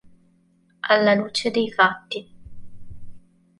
Alla luce dei fatti.